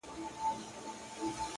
زړه تا دا كيسه شــــــــــروع كــړه!